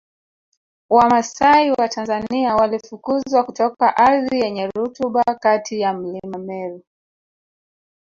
Wamasai wa Tanzania walifukuzwa kutoka ardhi yenye rutuba kati ya Mlima Meru